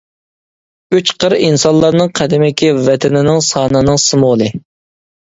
ئۈچ قىر ئىنسانلارنىڭ قەدىمكى ۋەتىنىنىڭ سانىنىڭ سىمۋولى.